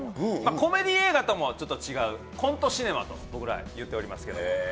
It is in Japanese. コメディー映画ともちょっと違うコントシネマと僕ら言ってますけど。